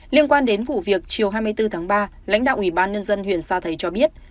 liên quan đến vụ việc chiều hai mươi bốn tháng ba lãnh đạo ủy ban nhân dân huyện sa thầy cho biết